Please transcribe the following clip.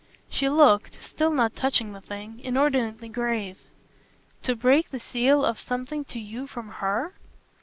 She looked still not touching the thing inordinately grave. "To break the seal of something to you from HER?"